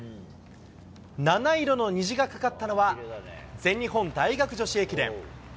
七色の虹が架かったのは、全日本大学女子駅伝。